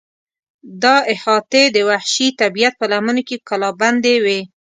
دا احاطې د وحشي طبیعت په لمنو کې کلابندې وې.